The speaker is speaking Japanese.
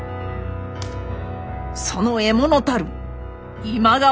その獲物たる今川氏真は。